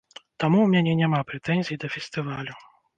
Таму ў мяне няма прэтэнзій да фестывалю.